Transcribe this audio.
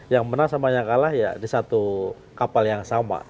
yang menang sama yang kalah ya di satu kapal yang sama